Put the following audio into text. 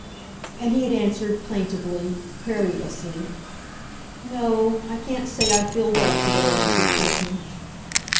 And he had answered plaintively, querulously, "No, I can't say I feel well to day, Mrs. Bunting.